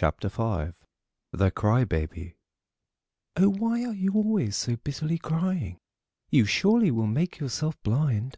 THE CRY BABY "Oh, why are you always so bitterly crying? You surely will make yourself blind.